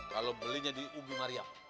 kalau belinya di umi mariam